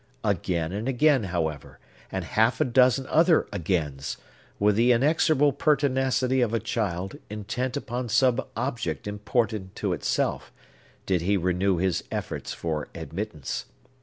Again and again, however, and half a dozen other agains, with the inexorable pertinacity of a child intent upon some object important to itself, did he renew his efforts for admittance.